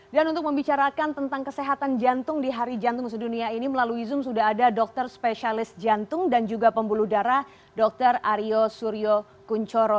dan untuk membicarakan tentang kesehatan jantung di hari jantung sedunia ini melalui zoom sudah ada dokter spesialis jantung dan juga pembuluh darah dokter aryo suryo kunchoro